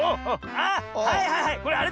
あっはいはいはいこれあれだ。